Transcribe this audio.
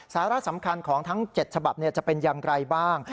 สาระสำคัญของทั้ง๗ฉบับจะเป็นอย่างไรบ้าง